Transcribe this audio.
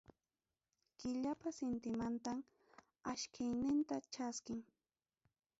Killapas intimantam achkiyninta chaskin.